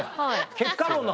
結果論の話。